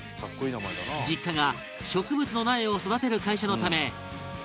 実家が植物の苗を育てる会社のため